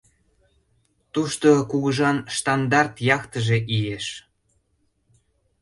Тушто кугыжан «Штандарт» яхтыже иеш.